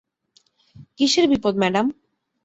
কীসের বিপদ, ম্যাডাম?